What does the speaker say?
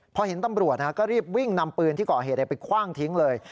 พอเห็นตำรวจก็รีบวิ่งนำปืนที่ก่อเหตุไปคว่างทิ้งเลย